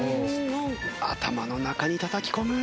頭の中にたたき込む！